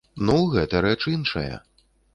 Ну, гэта рэч іншая.